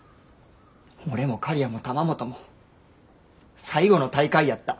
俺も刈谷も玉本も最後の大会やった。